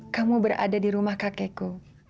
kamu berada di rumah kakekku